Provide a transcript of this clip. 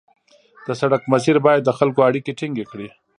د سړک مسیر باید د خلکو اړیکې ټینګې کړي